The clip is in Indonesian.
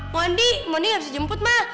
moni moni nggak bisa jemput ma